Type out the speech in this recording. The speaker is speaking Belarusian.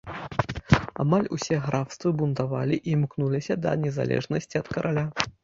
Амаль усе графствы бунтавалі і імкнуліся да незалежнасці ад караля.